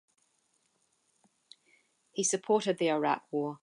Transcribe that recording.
He supported the Iraq War.